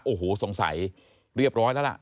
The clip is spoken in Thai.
โอ้โหสงสัยเรียบร้อยแล้วล่ะ